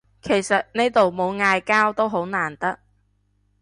其實呢度冇嗌交都好難得